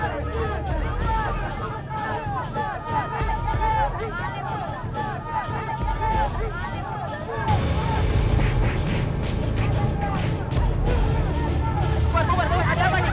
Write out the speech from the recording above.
buat buat buat ada apa ini